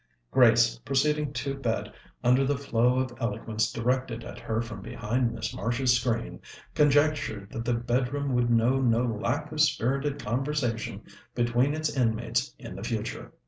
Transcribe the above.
Grace, proceeding to bed under the flow of eloquence directed at her from behind Miss Marsh's screen, conjectured that the bedroom would know no lack of spirited conversation between its inmates in the future.